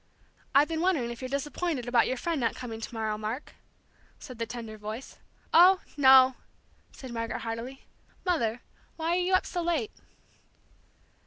"I've been wondering if you're disappointed about your friend not coming to morrow, Mark?" said the tender voice. "Oh, no o!" said Margaret, hardily. "Mother why are you up so late?"